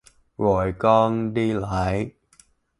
Rồi con đi lại